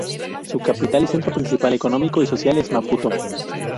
Su capital y centro principal económico y social es Maputo.